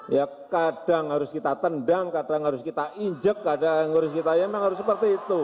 ya kadang harus kita tendang kadang harus kita injek kadang harus kita emang harus seperti itu